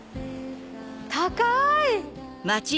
高い！